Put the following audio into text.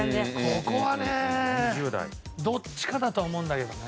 ここはねどっちかだと思うんだけどね。